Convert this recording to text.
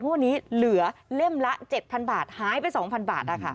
งวดนี้เหลือเล่มละ๗๐๐บาทหายไป๒๐๐บาท